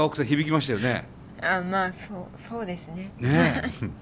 まあそうですね。